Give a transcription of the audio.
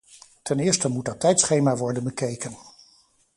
Ten eerste moet dat tijdschema worden bekeken.